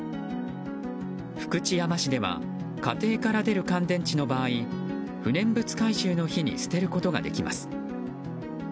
福知山市では家庭から出る乾電池の場合不燃物回収の日に捨てることができます。